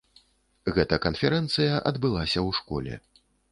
Гэта канферэнцыя адбылася ў школе.